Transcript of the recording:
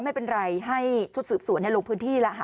ได้โพสต์เจ้าหาทุกแฟนเขาหรือเปล่า